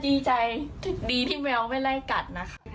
จริงจัยดีที่แมวไม่ได้กัดนะคะ